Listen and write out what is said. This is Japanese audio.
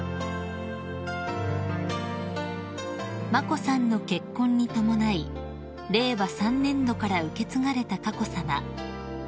［眞子さんの結婚に伴い令和３年度から受け継がれた佳子さま］